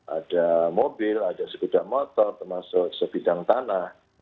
ada mobil ada sepeda motor termasuk sebidang tanah